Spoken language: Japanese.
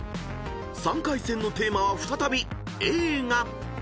［３回戦のテーマは再び「映画」］